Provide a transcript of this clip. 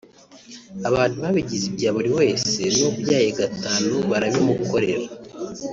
abantu babigize ibya buri wese n’ubyaye gatanu barabimukorera